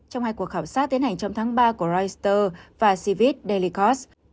trong hai cuộc khảo sát tiến hành trong tháng ba của reuters và sivit daily kos